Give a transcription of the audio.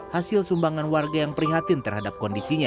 hasil sumbangan warga yang prihatin terhadap kondisinya